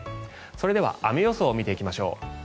それでは雨予想を見ていきましょう。